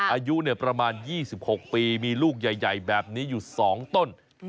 อายุประมาณ๒๖ปีมีลูกใหญ่แบบนี้อยู่๒ต้น